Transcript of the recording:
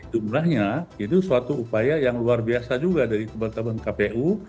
jumlahnya itu suatu upaya yang luar biasa juga dari teman teman kpu